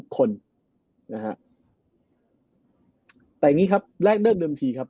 คนนะฮะแต่อย่างนี้ครับแรกเลิกเดิมทีครับ